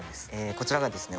こちらがですね